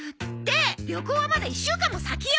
旅行はまだ１週間も先よ！